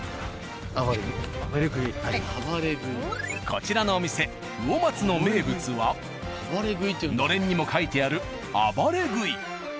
こちらのお店「魚松」の名物はのれんにも書いてあるあばれ食い。